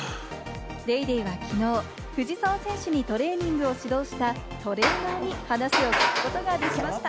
『ＤａｙＤａｙ．』はきのう、藤澤選手にトレーニングを指導したトレーナーに話を聞くことができました。